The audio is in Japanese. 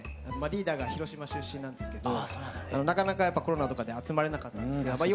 リーダーが広島出身なんですけどなかなかやっぱコロナとかで集まれなかったんですがまあ